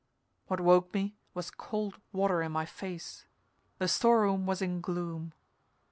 What woke me was cold water in my face. The store room was in gloom.